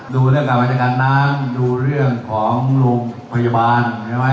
ดูเรื่องการเป็นการน้ำดูเรื่องของโรงพยาบาล